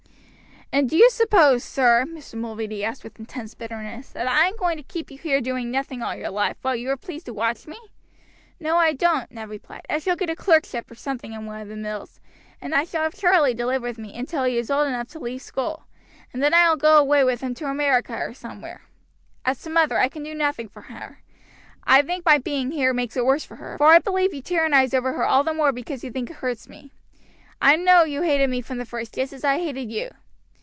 "And do you suppose, sir," Mr. Mulready asked with intense bitterness, "that I am going to keep you here doing nothing all your life, while you are pleased to watch me?" "No, I don't," Ned replied. "I shall get a clerkship or something in one of the mills, and I shall have Charlie to live with me until he is old enough to leave school, and then I will go away with him to America or somewhere. As to mother, I can do nothing for her. I think my being here makes it worse for her, for I believe you tyrannize over her all the more because you think it hurts me. I know you hated me from the first just as I hated you.